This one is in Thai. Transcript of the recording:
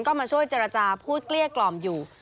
ก็มาช่วยจัดล่ะจ้าพูดเกลี้ยกลอมอยู่